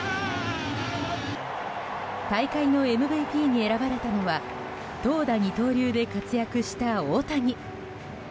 大会のＭＶＰに選ばれたのは投打二刀流で活躍した大谷。